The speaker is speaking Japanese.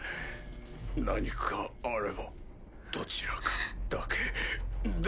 何かあればどちらかだけでも。